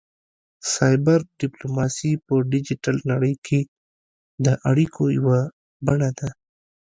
سایبر ډیپلوماسي په ډیجیټل نړۍ کې د اړیکو یوه بڼه ده